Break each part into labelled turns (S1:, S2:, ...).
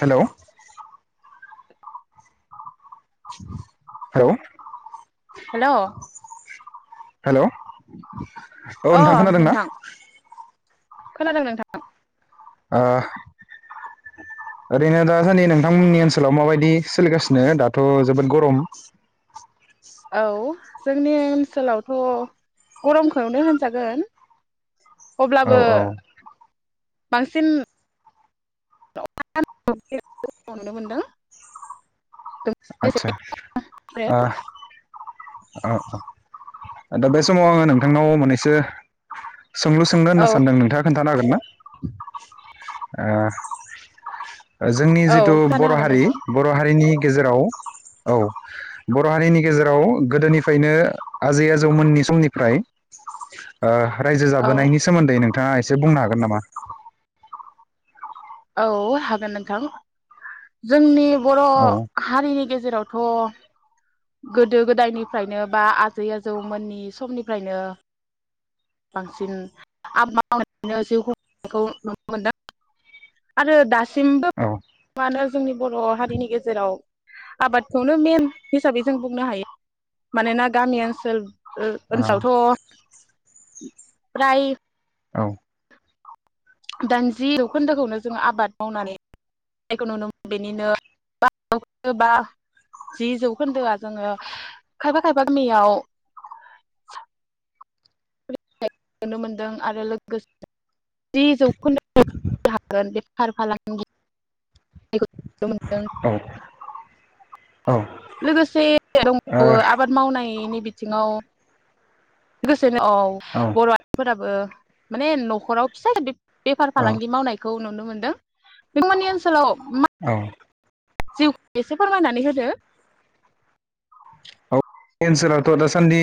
S1: Hello hello
S2: hello
S1: hello औ नोंथां खोनादोंना?
S2: खोनादों नोंथां।
S1: ओ ओरैनो दासान्दि नोंथांमोननि ओनसोलाव माबायदि सोलिगासिनो? दाथ' जोबोद गरम।
S2: औ। जोंनि ओनसोलावथ' गरमखौनो होनजागोन।
S1: औ
S2: अब्लाबो
S1: औ
S2: बांसिन [inaudible] नुनो मोनदों।
S1: आदसा ओ औ दा बे समाव आङो नोंथांनाव मोननैसो सोंलु सोंनो होनना
S2: औ
S1: सानदों नोंथाङा खोन्थानो हागोन ना? ओ जोंनि
S2: औ
S1: जिथु
S2: खोनानो
S1: बर'
S2: हागोन
S1: हारि
S2: नोंथां
S1: बर' हारिनि गेजेराव औ बर' हारिनि गेजेराव गोदोनिफ्रायनो आजै आजौमोननि समनिफ्रा ओ रायजो
S2: औ
S1: जाबोनायनि सोमोन्दै नों नोंथाङा एसे बुंनो हागोन नामा?
S2: औ हागोन नोंथां। जोंनि बर'
S1: औ
S2: हारिनि गेजेर जेरावथ' गोदो गोदायनिफ्रायनो बा आजै आजौमोननि समनिफ्रायनो बांसिन आबाद मावनायनायखौ नुनो मोनदों आरो दासि सिमबो
S1: औ
S2: मानो जोंनि बर' हारिनि गेजेराव आबादखौनो मेन हिसाबै जों बुंनो हायो मानोना गामि ओनसोल ओ ओनसोलावथ' फ्राय
S1: औ।
S2: दानि जि जौखोन्दोखौनो जोङो आबाद मावनानैखौ नुनो मोनो बेनिनो ब जौन बा जि जौखोन्दोआ जोङो खायफा खायफा गामियाव नुनो मोनदों आरो लोगोसे जिजौ खोन्दो हागोन बे फार फालांगि नुनो मोनदों
S1: औ औ।
S2: लोगोसे दंबावो आबाद मावनाय नि बिथिङाव गोस खोनो औ बर'आ फोराबो माने न'खराव फिसा बे बेफार
S1: औ
S2: फालांगि मावनायखौ नु नुनो मोनदों नोंथांमोननि ओनसोलाव
S1: औ
S2: जिउखौ एसे फोरमायनानै होदो?
S1: औ ओनसोलावथ' दासान्दि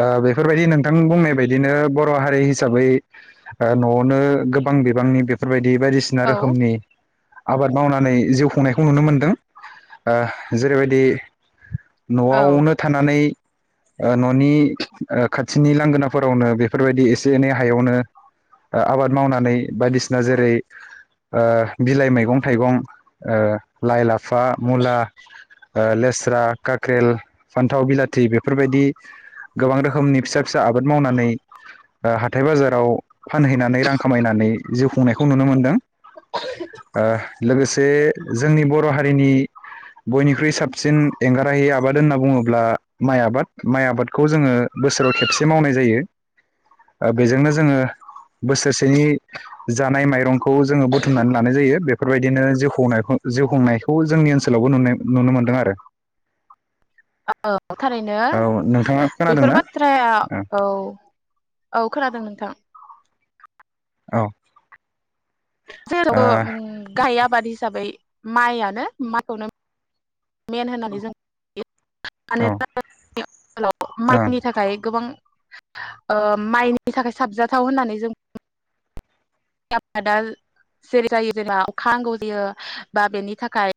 S1: ओ बेफोरबायदि नोंथां बुंनाय बायदिनो बर' हारि हिसाबै ओ न'आवनो गोबां बिबांनि बेफोरबायदि बायदिसिना
S2: औ
S1: रोखोमनि आबाद मावनानै जिउ खुंनायखौ नुनो मोनदों। जेरैबायदि
S2: औ
S1: न'आवनो थानानै ओ न'नि ओ खाथिनि लांगोनाफोरावनो बेफोरबायदि एसे एनै हायावनो आबाद मावनानै बायदिसिना जेरै ओ बिलाइ मैगं-थाइगं लाइ ला फा, मुला ओ लेस्रा, कार क्रेल फान्थाव बिलाथि बेफोरबायदि गोबां रोखोमनि फिसा फिसा आबाद मावनानै ओ हाथाय बाजाराव फानहैनानै रां खामायनानै जिउ खुंनायखौ नुनो मोनदों। आह लोगोसे जोंनि बर' हारिनि बयनिख्रुइ साबसिन एंगार फ्राय आबाद होनना बुंङोब्ला माइ आबाद माइ आबादखौ जोंङो बोसोराव खेबसे मावनाय जायो। बेजोंनो जोंङो बोसोरसेनि जानाय माइरं खौ जोंङो बुथुमनानै लानाय जायो, बे बेफोर बायदिनो जिउ खुंनायखौ जिउ खुंनायखौ जोंनि ओनसोलावबो नुनाय नुनो मोनदों आरो।
S2: आओ थारैनो
S1: औ नोंथाङा
S2: बेफोर
S1: खोनादोंना
S2: बाथ्राया औ औ खोनादों नोंथां।
S1: औ
S2: जेराव बो उम गाहाय आबाद हिसाबै माइयानो माइखौनो मेन होननानै जों [unintelligible] [unintelligible]
S1: ओ औ
S2: [unintelligible] सोलाव
S1: औ
S2: माइनि थाखाय गोबां ओ माइनि थाखाय साबजाथाव होननानै जों आबादा जेरै जायो जेनेबा अखा नांगौ जायो बा बेनि थाखाय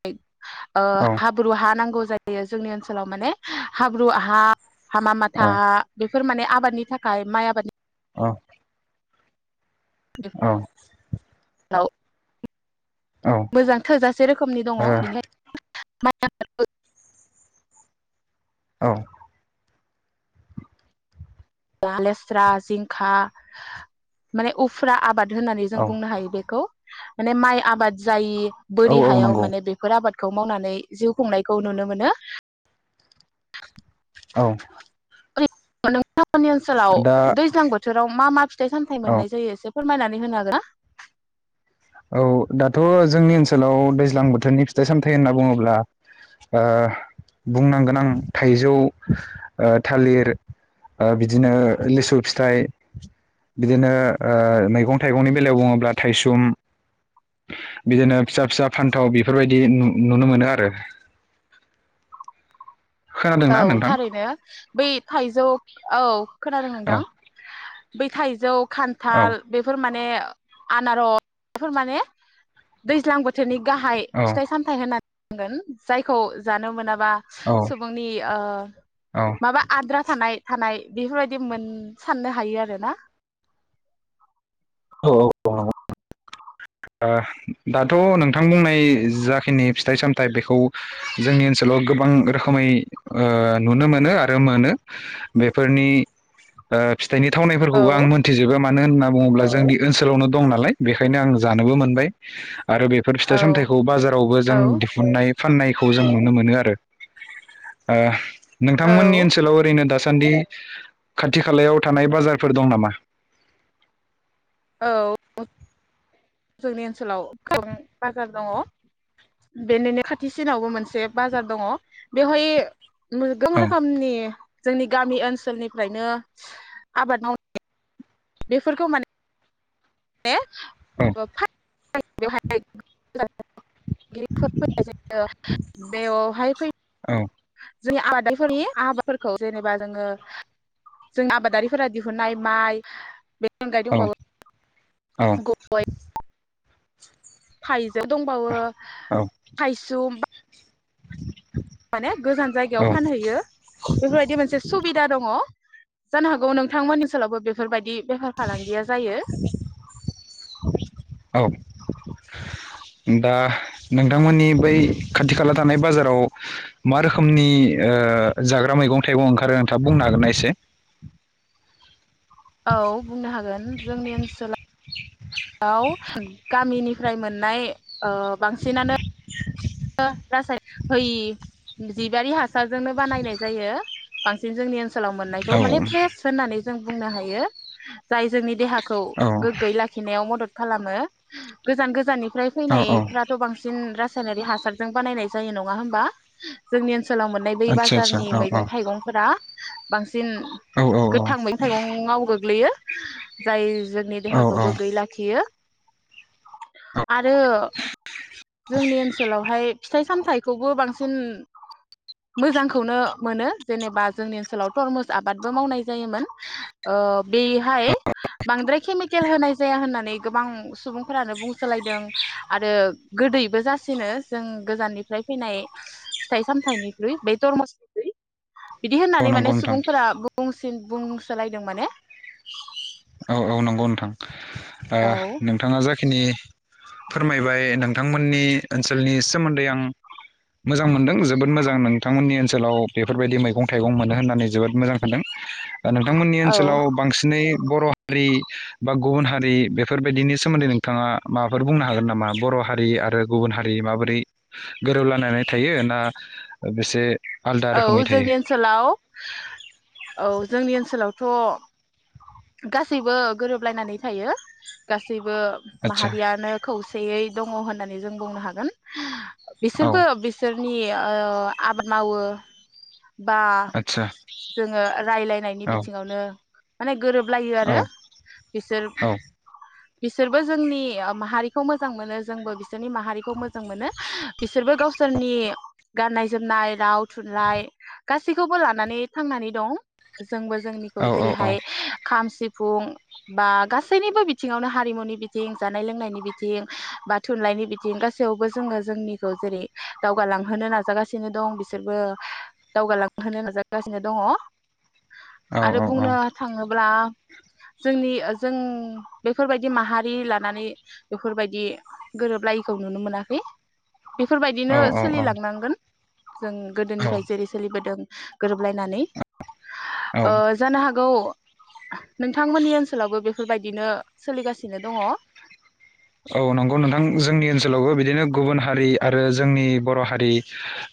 S2: ओ
S1: औ
S2: हाब्रु हा नांगौ जायो जोंनि ओनसोलाव माने हाब्रु हा हामा माथा हा बे बेफोर माने आबादनि थाखाय माइ आबादनि
S1: अ औ
S2: औ
S1: औ
S2: मोजां थोजासे रोखोमनि दङ
S1: ओ
S2: बेनि- [unintelligible]
S1: औ
S2: लेस्रा जिंखा माने उफ्रा आबाद होननानै जों
S1: औ
S2: बुंनो हायो बेखौ माने माइ आबाद जायि
S1: औ
S2: बोरि
S1: औ
S2: हायाव
S1: नंगौ
S2: माने बेफोर आबाद खौ मावनानै जिउ खुंनायखौ नुनो मोनो
S1: औ
S2: [unintelligible] नि ओनसोलाव
S1: दा
S2: दैज्लां बोथोराव मा मा फिथाइ सामथाइ
S1: औ
S2: मोननाय जायो एसे फोरमायनानै होनो हागोनना
S1: औ दाथ जोंनि ओनसोलाव दैज्लां बोथोरनि फिथाइ सामथाइ होनना बुङोब्ला ओ बुंनांगोन आं थाइजौ ओ थालिर ओ बिदिनो लिसु फिथाइ बिदिनो ओ मैगं थाइगंनि बेलायाव बुङोब्ला थाइसुम बिदिनो फिसा फिसा फान्थाव बेफोरबायदि नु-नुनो मोनो आरो
S2: औ
S1: खोनादोंना नोंथां
S2: थारैनो बै थाइजौ औ खोना खोनादों
S1: औ
S2: नोंथां बै थाइजौ
S1: औ
S2: खान्थाल बेफोर माने बे आनार फोर माने दैज्लां बोथोरनि गाहाय
S1: औ
S2: फिथाइ सामथायाइ होनाय गोन जायखौ जानो मोनाबा बा बुंनि ओ
S1: औ
S2: माबा आद्रा थानाय थानाय बेफोरबायदि मोन साननो हायो आरो ना
S1: औ औ ओह दाथ नोंथां बुंनाय जाखिनि फिथाइ सामथाइ बेखौ खौ जोंनि ओनसोलाव गोबां रोखोम रोखोमै ओ नुनो मोनो आरो मोनो बेफोरनि ओ फिथाइनि
S2: औ
S1: थावनायफोरखौबो आं मोनथिजोबो माने होनना बुङोब्ला जोंनि ओनसोलावनो दं नालाय बेखायनो आं जानोबो मोनबाय आरो बेफोर फिथाइ
S2: औ
S1: सामथाइखौ बाजारावबो
S2: औ
S1: जों दिहुननाय फाननायखौ जों नुनो मोनो आरो ओ।
S2: औ
S1: नोंथांमोननि ओनसोलाव ओरैनो दासा सान्दि खाथि खालायाव थानाय बाजारफोर दं नामा?
S2: औ जोंनि। ओनसोलाव [unintelligible] बाजार। दङ बेनिनो खाथिसिनावबो मोनसे बाजार दङ बेवहाय। [unintelligible]
S1: औ
S2: रोखोमनि। जोंनि गामि ओनसोलनिफ्रायनो आबाद मावनाय बेफोरखौ माने। [unintelligible] [unintelligible] [unintelligible]
S1: औ
S2: [unintelligible] जोंनि आबादारिफोरनि आबाफोरखौ जेनेबा जोङो जों आबादारिफोरा दिहुननाय माइ बे
S1: औ
S2: [unintelligible]
S1: औ।
S2: [unintelligible] थाइ। दंबावो
S1: औ
S2: थायसुम।
S1: [inaudible]
S2: माने गोजान जायगायाव
S1: औ
S2: फानहैयो बेफोरबायदि मोनसे। सुबिदा दङ जानो हागौ नोंथांमोननि सोलावबो बेफोरबायदि। बेफार फालांगिया जायो।
S1: औ दा नोंथांमोननि बै खाथि खाला थानाय बाजाराव मा रोखोमनि ओ जाग्रा मैगं थाइगं ओंखारो नोंथाङा बुंनो हागोन ना एसे।
S2: औ। बुंनो हागोन जोंनि ओनसोलाव। बाव गामिनिफ्राय मोननाय। ओ बांसिनानो। ओ रासाय होयि जिबारि हा साजोंनो बानायनाय जायो। बांसिन जोंनि ओन सोलाव मोननायखौ
S1: औ
S2: माने फ्रेस होननानै। जों बुंनो हायो जाय जोंनि देहा। खौ
S1: औ
S2: गोग्गोयै लाखिनायाव मदद। खालामो गोजान गोजाननि। ओमफ्राय
S1: औ
S2: फैनाय
S1: औ
S2: फ्राथ' बांसिन रा सायनारि हा रजों बानायनाय जायो नंआ होनबा? सोलाव मोननाय बै
S1: आदसा
S2: बाजारनि
S1: आदसा
S2: मैगं थाइगंफोरा बांसि सिन
S1: औ औ औ
S2: गोथां मैगं थाइगंआव गोग्लैयो जाय जोंनि
S1: औ
S2: देहाखौ गोग्गोयै लाखियो।
S1: औ
S2: आरो जोंनि ओनसोल बोय फिथाइ सामथाइखौबो बांसिन मोजांखौनो मोनो जेनेबा जोंनि ओनसोलाव टर्मुस आबादबो मावनाय जायोमोन बेहाय बांद्राय केमिकेल होनाय जाया होननानै गोबां सुबुंफोरानो बुंसोलायदों आरो गोदैबो जायो सिनो जों गोजाननिफ्राय फैनाय फिथाइ सामथाइनिख्रुइ बे टरमुस बिदि
S1: औ
S2: होननानै
S1: नंगौ
S2: माने
S1: नोंथां
S2: सुबुंफोरा बुंसिन बुं सोलायदों माने
S1: औ औ नंगौ नोंथां ओ
S2: औ
S1: नोंथाङा जाय खिनि फोरमायबाय नोंथांमोननि ओनसोलनि सोमोन्दै आं मोजां मोनदों जोबोद मोजां नोंथांमोननि ओनसोलाव बेफोरबायदि मैगं थाइगं मोनो होननानै जोबोद मोजां सानदों दा नोंथांमोननि
S2: औ
S1: ओनसोलाव बांसिनै बर' हारि बा गुबुन हारि बेफोरबायदिनि सोमोन्दै नोंथाङा माबाफोर बुंनो हागोन नामा बर' हारि आरो गुबुन हारि माबोरै गोरोबलायनाय थायो ना एसे
S2: औ जोंनि ओनसोलाव औ जोंनि ओनसोलाव थ' गासैबो गोरोबलायनानै थायो गासैब बो
S1: आदसा
S2: माहारियानो खौसेयै दङ होननानै जों बुंनो हागोन
S1: औ
S2: बिसोरबो बिसोरनि ओ आबाद मावो बा
S1: आदसा
S2: जोङो रायलायनायनि
S1: औ
S2: बिथिङावनो गोरोब लायो
S1: औ
S2: आरो बिसोर
S1: औ
S2: [inaudible] बिसोरबो जोंनि माहारिखौ मोजां मोनो जोंबो बिसोरनि माहारिखौ मोजां मोनो बिसोरबो गावसोरनि गाननाय जोमनाय राव थुनलाइ गासैखौबो लानानै थांनानै दं। जोंबो जोंनिखौ
S1: औ औ
S2: जेरैहाय खाम सिफुं बा गासैनिबो बिथिङावनो हारिमुनि बिथिं जानाय लोंनायनि बिथिं बा थुनलाइनि बिथिं गासैयावबो जोङो जोंनिखौ जेरै दावगालांहोनो नाजागासिनो दं बिसोरबो दावगालांहोनो नाजागासिनो दङ
S1: औ
S2: आरो बुंनो
S1: औ
S2: थाङोब जोंनि जों बेफोरबायदि माहारि लानानै बेफोरबायदि गोरोबलायैखौ नुनो मोनाखै
S1: औ
S2: बेफोरबायदिनो
S1: औ
S2: सोलिलांनांगोन जों
S1: औ
S2: गोदोनिफ्राय जेरै सोलिबोदों गोरोब अनलायनानै
S1: औ
S2: ओ जानो हागौ नोंथांमोननि ओनसोलावबो बेफोरबायदिनो सोलिगासिनो दङ?
S1: औ नंगौ नोंथां जोंनि ओनसोलावबो बिदिनो गुबुन हारि आरो जोंनि बर' हारि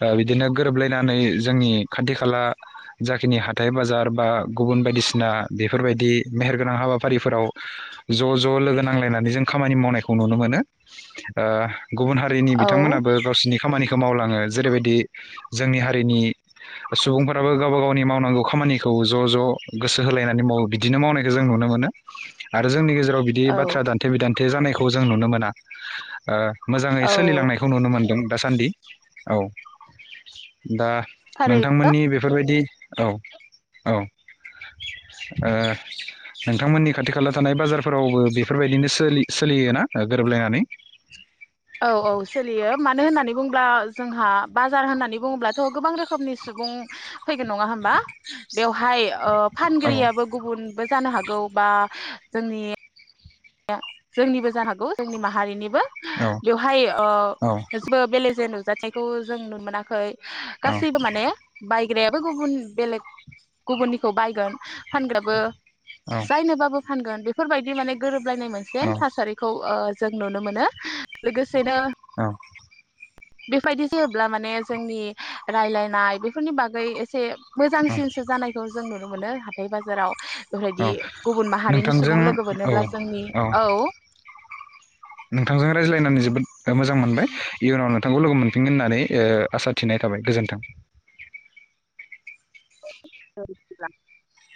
S1: ओ बिदिनो गोरोबलायनानै जोंनि खाथि खाला जाखिनि हाथाइ बाजार बा गुबुन बायदिसिना बेफोरबायदि मेहेरगोनां हाबाफारिफोराव ज' ज' लोगो नांलायनानै जों खामानि मावनाय खौ नुनो मोनो ओ गुबुन हारिनि
S2: औ
S1: बिथांमोनाबो गावसोरनि खामानिख दो मावलाङो जेरैबायदि जोंनि हारिनि सुबुंफोराबो गावबा गावनि मावनांगौ खामानिखौ ज' ज' गोसो होलायनानै माव बिदिनो मावनायखौ जों नुनो मोनो आरो जोंनि गेजेर आव बिदि बाथ्रा दान्थे बिदान थे जानायख' खौ जों नुनो मोना ओ मोजाङै
S2: औ
S1: सोलिलांनायखौ नुनो मोनदों। दासान्दि औ दा
S2: थारै
S1: नोंथांमोननि बेफोरबायदि औ औ ओ नोंथांमोननि खाथि खाला थानाय बाजारफोरावबो बेफोरबायदिनो सोलि सो सोलियोना ओ गोरोबलायनानै?
S2: औ औ सोलियो मानो होननानै बुङोब्ला जोंहा बाजार होननानै बुङोब्लाथ गोबां रोखोमनि सुबुं फैगोन नङा होमबा बेवहाय ओब
S1: औ
S2: फानगिरियाबो गुबुनबो जानो हागौ बा जोंनि या जोंनिबो जानो हागौ जोंनि माहारिनिब बो
S1: औ
S2: बेवहाय ओ
S1: औ
S2: जेबो बेले जे जाथायखौ जों नुन मोनाखै। गासिबो माने बाइक ग्रायाबो गुबुन बेलेग गुबुननिखौ बायगोन फानग्राबो
S1: औ
S2: जायनोबाबो फानगोन बेफ फोरबायदि माने लायनाय मोनसे
S1: औ
S2: थासारिखौ ओ जों नुनो मोनो लोगोसेनो
S1: [unintelligible]
S2: बेफोबायदि जायोब्ला माने जोंनि रायलायनाय बेफोरनि बागै एसे
S1: औ
S2: मोजांसिनसो जानायखौज जों नुनो मोनो हाथाय बाजाराव बेबायदि
S1: औ
S2: गुबुन माहारिनि
S1: नोंथांजों
S2: सुबुं लोगो
S1: औ
S2: मोनोब्ला जोंनि औ
S1: नोंथांजों रायज्लायनानै जोबोद ओ मोजां मोनबाय इयुनाव नों थांखौ लोगो मोनफिनगोन होननानै ओ आसा थिनाय थाबाय गोजोन्थों।
S2: [inaudible]